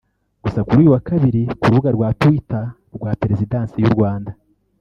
Gusa kuri uyu wa kabiri ku rubuga rwa Twitter rwa Perezidansi y’u Rwanda